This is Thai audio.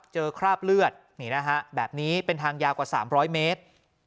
คราบเลือดนี่นะฮะแบบนี้เป็นทางยาวกว่า๓๐๐เมตร